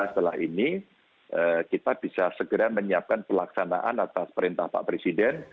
setelah ini kita bisa segera menyiapkan pelaksanaan atas perintah pak presiden